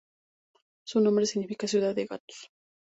Su nombre significa ciudad de gatos.